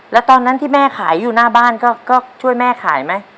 แล้วตอนนั้นที่แม่ขายอยู่หน้าบ้านก็ช่วยแม่ขายไหม